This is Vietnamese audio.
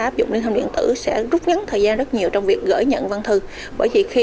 áp dụng liên thông điện tử sẽ rút ngắn thời gian rất nhiều trong việc gửi nhận văn thư bởi vì khi